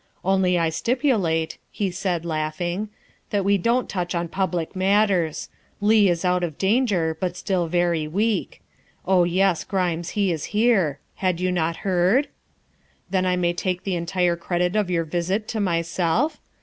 " Only I stipulate," he added, laughing, " that we don't touch on public matters. Leigh is out of danger, but still very weak. Oh, yes, Grimes, he is here; had you not heard? Then I may take the entire credit of your visit to myself?